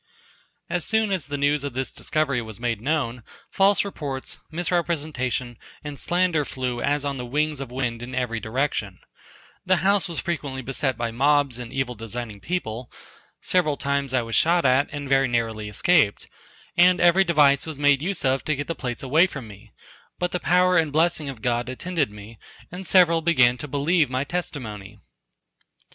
As soon as the news of this discovery was made known, false reports, misrepresentation, and slander flew as on the wings of the wind in every direction, the house was frequently beset by mobs, and evil designing people, several times I was shot at, and very narrowly escaped, and every device was made use of to get the plates away from me, but the power and blessing of God attended me, and several began to believe my testimony.